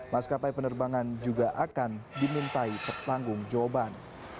mas kapai penerbangan juga akan dimintai pertanggung jawaban